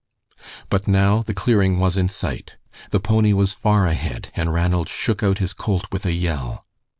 But now the clearing was in sight. The pony was far ahead, and Ranald shook out his colt with a yell.